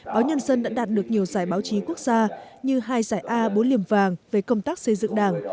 báo nhân dân đã đạt được nhiều giải báo chí quốc gia như hai giải a bốn liềm vàng về công tác xây dựng đảng